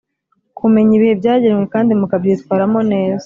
kumenya ibihe byagenwe kandi mukabyitwaramo neza